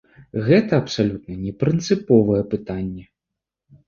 Гэта абсалютна не прынцыповае пытанне.